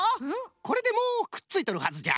これでもうくっついとるはずじゃ。